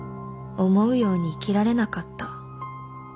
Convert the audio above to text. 思うように生きられなかった」